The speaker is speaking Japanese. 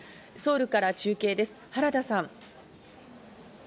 ソウルから中継です、原田さん。